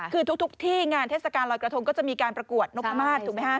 คือทุกที่งานเทศกาลรอยกระทงก็จะมีการประกวดนกพรมาศ